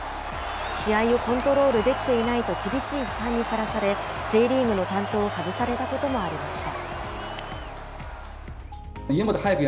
試合をコントロールできていないと厳しい批判にさらされＪリーグの担当を外されたこともありました。